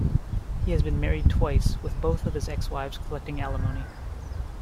He has been married twice, with both of his ex-wives collecting alimony.